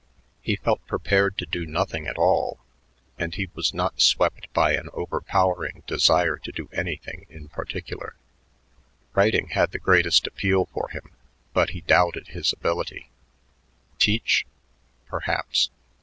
He felt prepared to do nothing at all, and he was not swept by an overpowering desire to do anything in particular. Writing had the greatest appeal for him, but he doubted his ability. Teach? Perhaps.